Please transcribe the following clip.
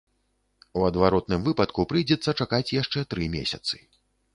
У адваротным выпадку прыйдзецца чакаць яшчэ тры месяцы.